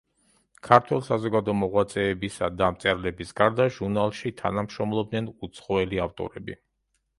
ქართველ საზოგადო მოღვაწეებისა და მწერლების გარდა ჟურნალში თანამშრომლობდნენ უცხოელი ავტორები.